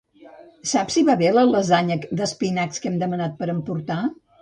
Saps si va bé la lasanya d'espinacs que he demanat per emportar?